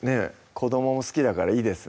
子どもも好きだからいいですね